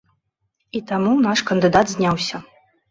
І таму наш кандыдат зняўся.